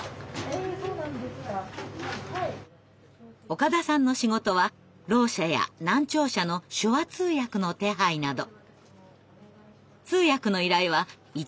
岡田さんの仕事はろう者や難聴者の手話通訳の手配など。